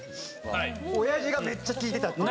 おやじがめっちゃ聴いてたっていう。